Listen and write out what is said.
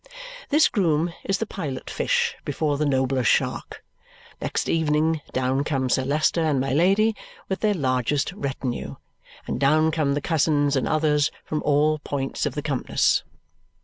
This groom is the pilot fish before the nobler shark. Next evening, down come Sir Leicester and my Lady with their largest retinue, and down come the cousins and others from all the points of the compass.